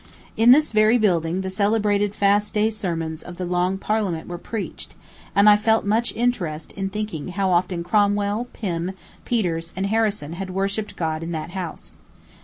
In this very building the celebrated fast day sermons of the Long Parliament were preached, and I felt much interest in thinking how often Cromwell, Pym, Peters, and Harrison had worshipped God in that house.